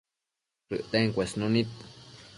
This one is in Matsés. shëcten cuesnunid